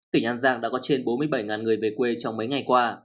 tỉnh an giang đã có trên bốn mươi bảy người về quê trong mấy ngày qua